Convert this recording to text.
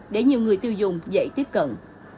để nhiều người tiêu dùng dậy tiếp cận